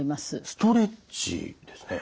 ストレッチですね。